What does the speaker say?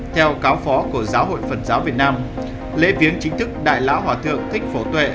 theo cáo phó của giáo hội phật giáo việt nam lễ viếng chính thức đại lão hòa thượng thích phổ tuệ